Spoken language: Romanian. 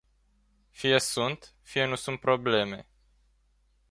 Fie sunt, fie nu sunt probleme.